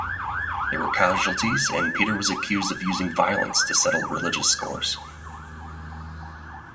There were casualties and Peter was accused of using violence to settle religious scores.